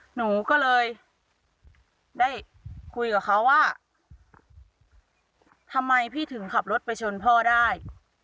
หนูก็เลยได้คุยกับเขาว่าทำไมพี่ถึงขับรถไปชนพ่อได้